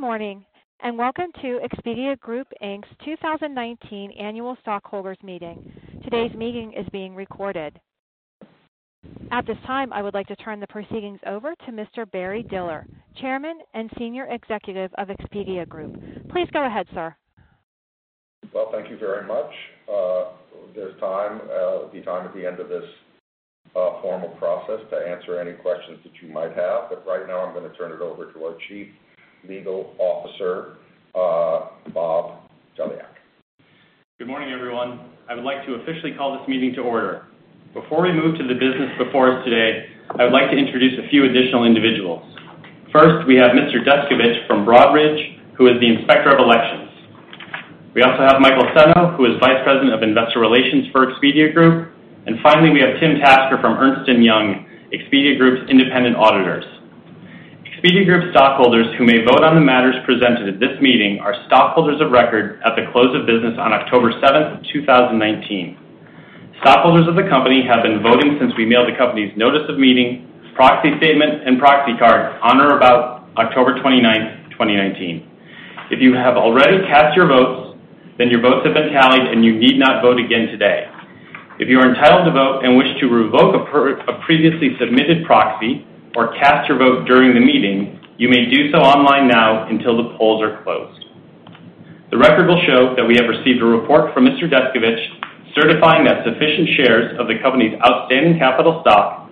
Morning, and welcome to Expedia Group, Inc.'s 2019 annual stockholders meeting. Today's meeting is being recorded. At this time, I would like to turn the proceedings over to Mr. Barry Diller, Chairman and Senior Executive of Expedia Group. Please go ahead, sir. Well, thank you very much. Right now, I'm going to turn it over to our Chief Legal Officer, Bob Dzielak. Good morning, everyone. I would like to officially call this meeting to order. Before we move to the business before us today, I would like to introduce a few additional individuals. First, we have Mr. Descovich from Broadridge, who is the Inspector of Elections. We also have Michael Senno, who is Vice President of Investor Relations for Expedia Group. Finally, we have Tim Tasker from Ernst & Young LLP, Expedia Group's independent auditors. Expedia Group stockholders who may vote on the matters presented at this meeting are stockholders of record at the close of business on October 7th, 2019. Stockholders of the company have been voting since we mailed the company's notice of meeting, proxy statement, and proxy card on or about October 29th, 2019. If you have already cast your votes, then your votes have been tallied, and you need not vote again today. If you are entitled to vote and wish to revoke a previously submitted proxy or cast your vote during the meeting, you may do so online now until the polls are closed. The record will show that we have received a report from Mr. Deskovich certifying that sufficient shares of the company's outstanding capital stock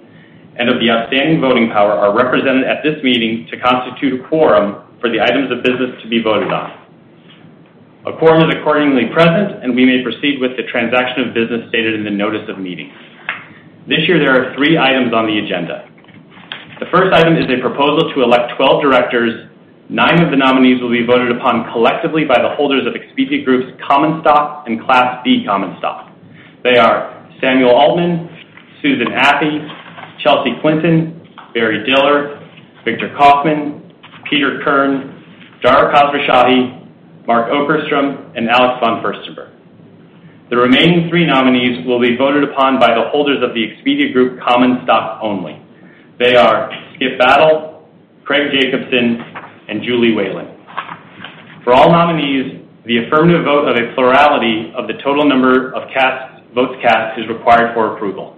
and of the outstanding voting power are represented at this meeting to constitute a quorum for the items of business to be voted on. A quorum is accordingly present, and we may proceed with the transaction of business stated in the notice of meeting. This year, there are three items on the agenda. The first item is a proposal to elect 12 directors. Nine of the nominees will be voted upon collectively by the holders of Expedia Group's common stock and Class B common stock. They are Samuel Altman, Susan Athey, Chelsea Clinton, Barry Diller, Victor Kaufman, Peter Kern, Dara Khosrowshahi, Mark Okerstrom, and Alex von Furstenberg. The remaining three nominees will be voted upon by the holders of the Expedia Group common stock only. They are Skip Battle, Craig Jacobson, and Julie Whalen. For all nominees, the affirmative vote of a plurality of the total number of votes cast is required for approval.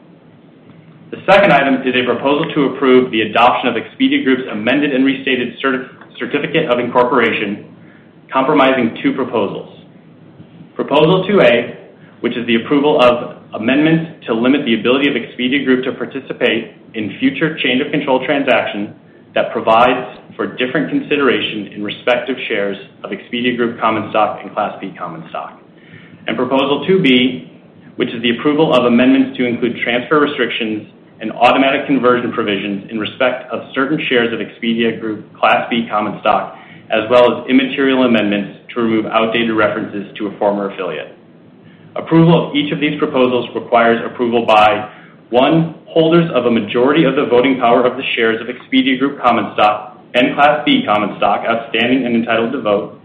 The second item is a proposal to approve the adoption of Expedia Group's amended and restated certificate of incorporation, compromising two proposals. Proposal 2A, which is the approval of amendments to limit the ability of Expedia Group to participate in future change of control transactions that provides for different consideration in respective shares of Expedia Group common stock and Class B common stock. Proposal 2B, which is the approval of amendments to include transfer restrictions and automatic conversion provisions in respect of certain shares of Expedia Group Class B common stock, as well as immaterial amendments to remove outdated references to a former affiliate. Approval of each of these proposals requires approval by, 1, holders of a majority of the voting power of the shares of Expedia Group common stock and Class B common stock, outstanding and entitled to vote,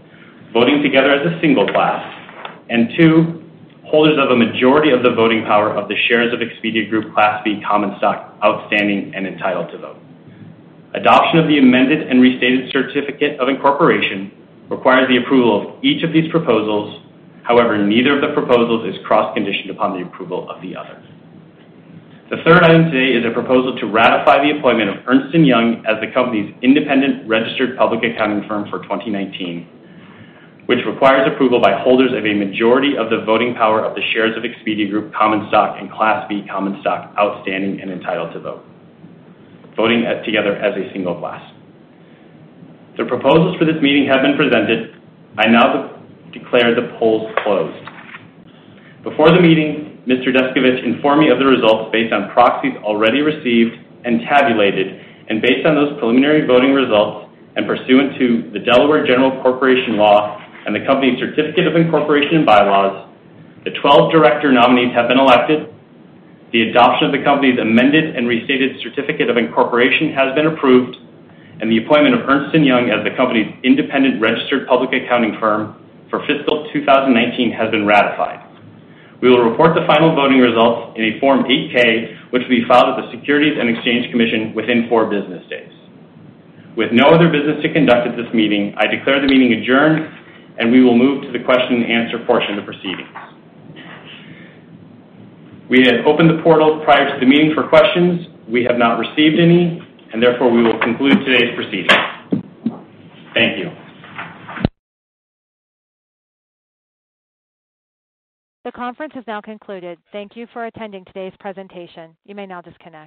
voting together as a single class. 2, holders of a majority of the voting power of the shares of Expedia Group Class B common stock, outstanding and entitled to vote. Adoption of the amended and restated certificate of incorporation requires the approval of each of these proposals. However, neither of the proposals is cross-conditioned upon the approval of the other. The third item today is a proposal to ratify the appointment of Ernst & Young as the company's independent registered public accounting firm for 2019, which requires approval by holders of a majority of the voting power of the shares of Expedia Group common stock and Class B common stock, outstanding and entitled to vote, voting together as a single class. The proposals for this meeting have been presented. I now declare the polls closed. Before the meeting, Mr. Deskovich informed me of the results based on proxies already received and tabulated. Based on those preliminary voting results and pursuant to the Delaware General Corporation Law and the company's certificate of incorporation bylaws, the 12 director nominees have been elected, the adoption of the company's amended and restated certificate of incorporation has been approved, and the appointment of Ernst & Young as the company's independent registered public accounting firm for fiscal 2019 has been ratified. We will report the final voting results in a Form 8-K, which will be filed with the Securities and Exchange Commission within 4 business days. With no other business to conduct at this meeting, I declare the meeting adjourned, and we will move to the question and answer portion of the proceedings. We had opened the portal prior to the meeting for questions. We have not received any, and therefore we will conclude today's proceedings. Thank you. The conference has now concluded. Thank you for attending today's presentation. You may now disconnect.